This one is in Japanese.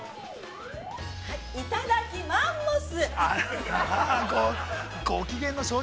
いただきマンモス。